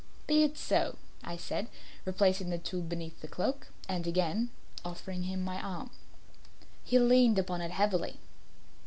"Be it so," I said, replacing the tool beneath the cloak and again offering him my arm. He leaned upon it heavily.